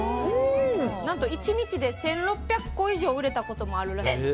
何と１日で１６００個以上売れたこともあるらしいです。